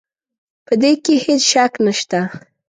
په دې کې هېڅ شک نه شته.